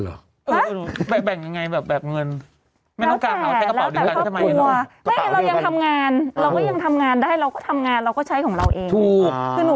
เราก็ยังทำงานได้เราก็ทำงานและใช้เห็น